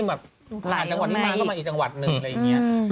แบบผ่านจังหวัดนี้มาก็มาอีกจังหวัดหนึ่งอะไรอย่างนี้